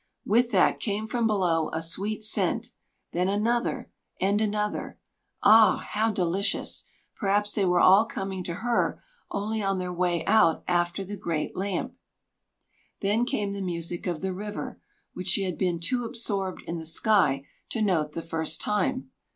With that came from below a sweet scent, then another, and another. Ah, how delicious! Perhaps they were all coming to her only on their way out after the great lamp! Then came the music of the river, which she had been too absorbed in the sky to note the first time.